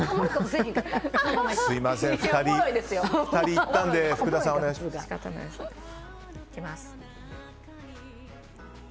すみません、２人いったんで福田さん、お願いします。